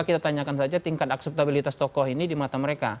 kita tanyakan saja tingkat akseptabilitas tokoh ini di mata mereka